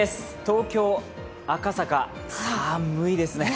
東京・赤坂は寒いですね。